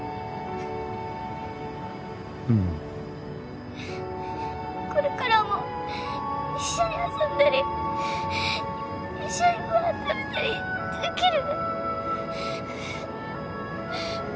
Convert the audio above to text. ううんこれからも一緒に遊んだり一緒にご飯食べたりできる？